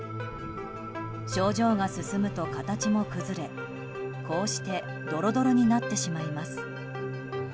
症状が進むと形も崩れ、こうしてドロドロになってしまいます。